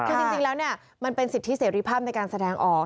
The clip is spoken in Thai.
คือจริงแล้วเนี่ยมันเป็นสิทธิเสรีภาพในการแสดงออก